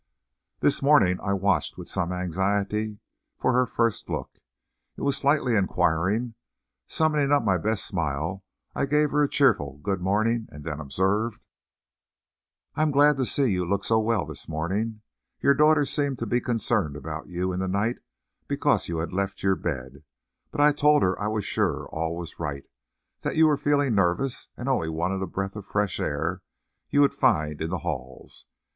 This morning I watched with some anxiety for her first look. It was slightly inquiring. Summoning up my best smile, I gave her a cheerful good morning, and then observed: "I am glad to see you look so well this morning! Your daughter seemed to be concerned about you in the night because you had left your bed. But I told her I was sure all was right, that you were feeling nervous, and only wanted a breath of the fresh air you would find in the halls."